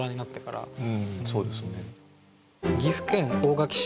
そうですね。